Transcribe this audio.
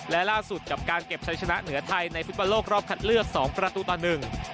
และล่าสุดกับการเก็บใช้ชนะเหนือไทยในฟุตบอลโลกรอบคัดเลือกสองประตูต่อหนึ่ง